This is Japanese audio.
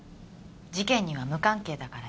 事件には無関係だからよ。